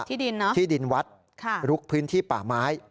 ที่ดินเนอะที่ดินวัดลุกพื้นที่ป่าไม้